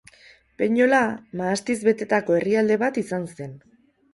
Behinola, mahastiz betetako herrialde bat izan zen.